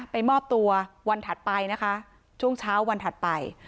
มอบตัววันถัดไปนะคะช่วงเช้าวันถัดไป